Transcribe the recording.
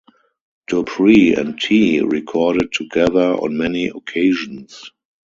Dupree and Tee recorded together on many occasions.